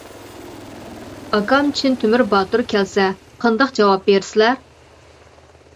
ئاكام چىن تۆمۈر باتۇر كەلسە قانداق جاۋاب بېرىسىلەر؟ !